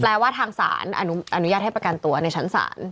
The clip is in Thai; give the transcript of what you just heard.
ว่าทางศาลอนุญาตให้ประกันตัวในชั้นศาล